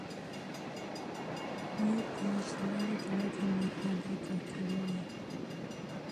مور د ماشومانو د ودې مرحلې تعقیبوي.